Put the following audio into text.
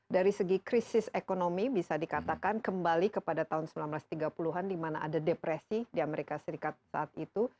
dari segi krisis ekonomi bisa dikatakan kembali kepada tahun seribu sembilan ratus tiga puluh an di mana ada depresi di amerika serikat saat itu